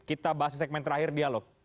kita bahas di segmen terakhir dialog